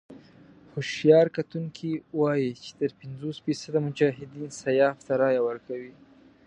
هوښیار کتونکي وايي چې تر پينځوس فيصده مجاهدين سیاف ته رايه ورکوي.